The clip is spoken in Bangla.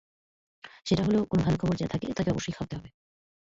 সেটা হলো কোনো ভালো খবর যার থাকে, তাকে অবশ্যই খাওয়াতে হবে।